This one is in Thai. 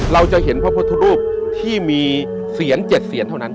เราจะเห็นพระพุทธรูปที่มีเสียร๗เสียนเท่านั้น